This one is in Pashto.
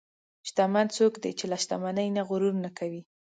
شتمن څوک دی چې له شتمنۍ نه غرور نه کوي.